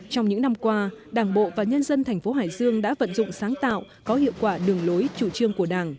trong những năm qua đảng bộ và nhân dân thành phố hải dương đã vận dụng sáng tạo có hiệu quả đường lối chủ trương của đảng